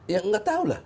ya gak tau lah